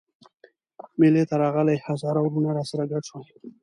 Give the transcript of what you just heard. مېلې ته راغلي هزاره وروڼه راسره ګډ شول.